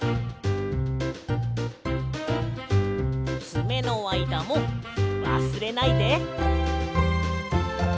つめのあいだもわすれないで！